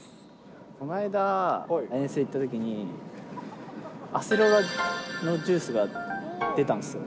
この間、遠征行ったときに、アセロラのジュースが出たんですよ。